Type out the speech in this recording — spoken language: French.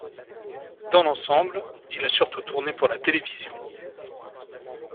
Dans l’ensemble, il a surtout tourné pour la télévision.